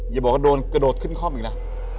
อย่าบอกว่าโดนกระโดดขึ้นคล่อมอีกนะ